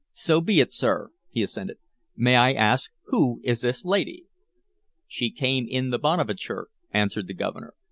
"So be it, sir," he assented. "May I ask who is this lady?" "She came in the Bonaventure," answered the Governor.